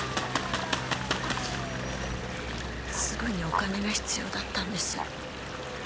すぐにお金が必要だったんです。